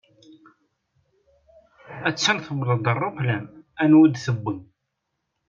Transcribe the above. A-tt-an tewweḍ-d ṛṛuplan, Anwi i d-tewwi.